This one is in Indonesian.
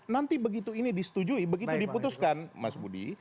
nanti begitu ini disetujui begitu diputuskan mas budi